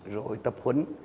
rồi tập huấn